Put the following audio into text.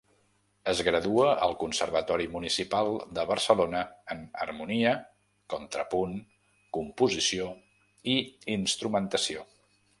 Es gradua al Conservatori Municipal de Barcelona en harmonia, contrapunt, composició i instrumentació.